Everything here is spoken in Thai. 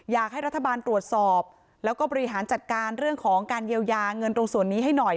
อยากให้รัฐบาลตรวจสอบแล้วก็บริหารจัดการเรื่องของการเยียวยาเงินตรงส่วนนี้ให้หน่อย